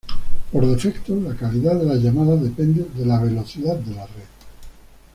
Por defecto, la calidad de las llamadas depende de la velocidad de la red.